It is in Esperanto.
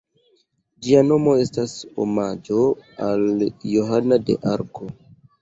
Ĝia nomo estas omaĝo al Johana de Arko.